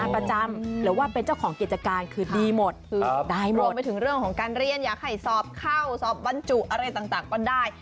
ประจำหรือว่าเป็นเจ้าของกิจการคือดีหมดคือได้หมดรวมไปถึงเรื่องของการเรียนอยากให้สอบเข้าสอบบรรจุอะไรต่างก็ได้